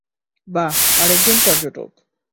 বাহ, আরেকজন পর্যটক।